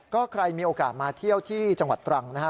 ก็ใครมีโอกาสมาเที่ยวที่จังหวัดตรังนะฮะ